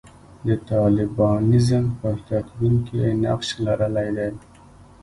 د طالبانیزم په تکوین کې یې نقش لرلی دی.